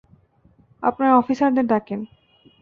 আপনার অফিসারদের ডাকেন!